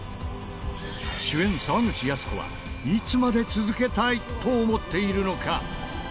主演沢口靖子はいつまで続けたいと思っているのか？